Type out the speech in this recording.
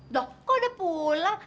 duh kau udah pulang